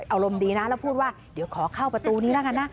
อารมณ์ดีนะแล้วพูดว่าเดี๋ยวขอเข้าประตูนี้แล้วกันนะ